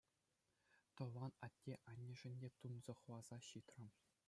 Тӑван атте-аннешӗн те тунсӑхласа ҫитрӗм.